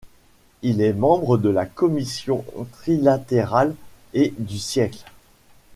Il est membre de la Commission Trilatérale et du Siècle.